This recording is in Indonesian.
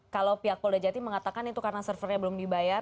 kalau pihak polda jati mengatakan itu karena servernya belum dibayar